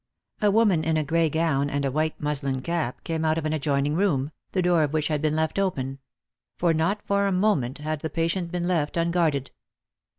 A woman in a gray gown and a muslin cap came out of an adjoin ing room, the door of which had been left open; for not for a moment had the patient been left unguarded.